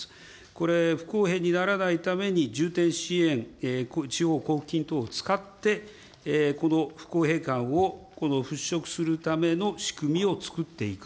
これ、不公平にならないために重点支援、地方交付金等を使って、この不公平感を払拭するための仕組みを作っていく。